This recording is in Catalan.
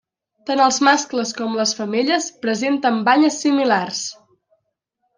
Tant els mascles com les femelles presenten banyes similars.